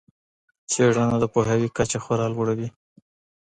څېړنه د پوهاوي کچه خورا لوړوي.